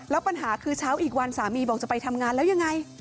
แล้วปัญหาคือเช้าอีกวันสามีบอกจะไปทำงานแล้วยังไง